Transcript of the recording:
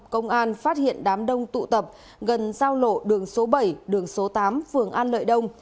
công an phát hiện đám đông tụ tập gần giao lộ đường số bảy đường số tám phường an lợi đông